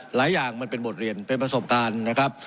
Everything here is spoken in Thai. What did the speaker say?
หลายอย่างมันเป็นบทเรียนเป็นประสบการณ์นะครับ